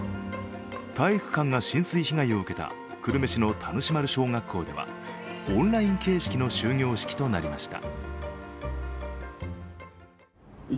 体育館が浸水被害を受けた久留米市の田主丸小学校ではオンライン形式の終業式となりました。